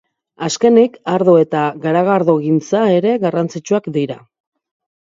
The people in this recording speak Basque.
Azkenik ardo eta garagardogintza ere garrantzitsuak dira.